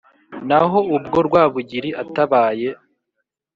Naho ubwo Rwabugili atabaye,